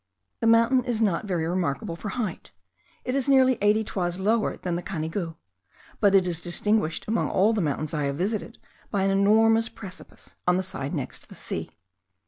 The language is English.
The mountain is not very remarkable for height: it is nearly eighty toises lower than the Canigou; but it is distinguished among all the mountains I have visited by an enormous precipice on the side next the sea.